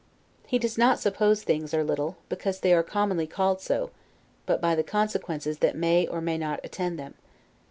He does not suppose things are little, because they are commonly called so: but by the consequences that may or may not attend them.